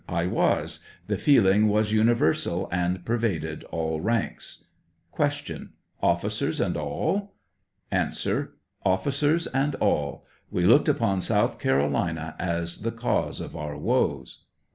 I was ; the feeling was universal, and pervaded all ranks. Q. Officers and all ? A. Officers and all ; we looked upon South Carolina as the cause of our woes.